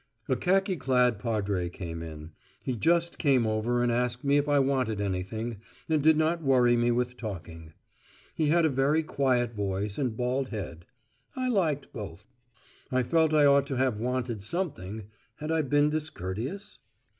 A khaki clad padre came in. He just came over and asked me if I wanted anything, and did not worry me with talking. He had a very quiet voice and bald head. I liked both. I felt I ought to have wanted something: had I been discourteous?